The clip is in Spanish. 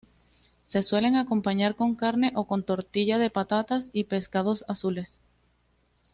Se suelen acompañar con carne o con tortilla de patatas y pescados azules.